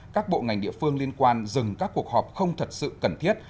các bộ ngành địa phương liên quan dừng các cuộc họp không thật sự cần thiết